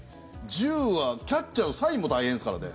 １０はキャッチャーのサインも大変ですからね。